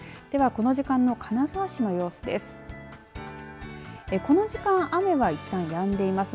この時間の金沢市の様子です。